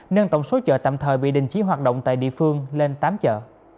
nâng tổng số chợ tạm thời bị đình chỉ hoạt động tại địa phương lên tám chợ